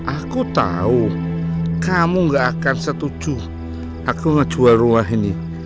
aku tahu kamu gak akan setuju aku ngejual rumah ini